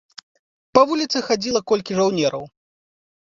Па вуліцы хадзіла колькі жаўнераў.